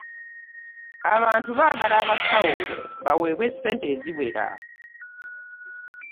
Abantu baagala abasawo bawebwe ssente eziwera.